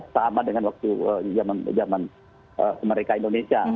sama dengan waktu zaman mereka indonesia